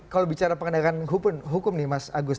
kalau bicara penegakan hukum nih mas agus